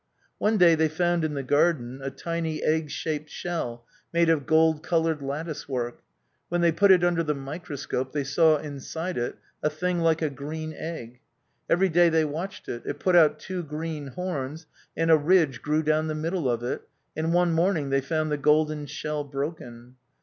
One day they found in the garden a tiny egg shaped shell made of gold coloured lattice work. When they put it under the microscope they saw inside it a thing like a green egg. Every day they watched it; it put out two green horns, and a ridge grew down the middle of it, and one morning they found the golden shell broken.